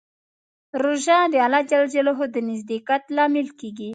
روژه د الله د نزدېکت لامل کېږي.